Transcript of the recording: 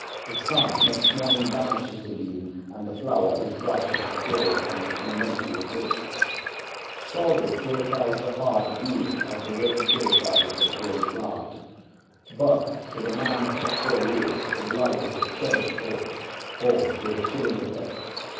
The sun next morning banishes the dew, and the flower is brighter and purer from its momentary affliction. Sorrow purifies the heart of youth as the rain purifies the growing plant. But to the man of mature years the blighting of cherished hopes falls with a chilling effect.